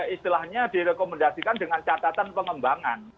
istilahnya direkomendasikan dengan catatan pengembangan